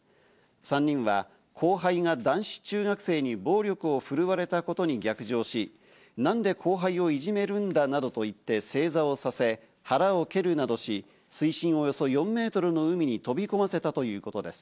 ３人は後輩が男子中学生に暴力を振るわれたことに逆上し、何で後輩をいじめるんだなどと言って正座をさせ、腹を蹴るなどし、水深およそ４メートルの海に飛び込ませたということです。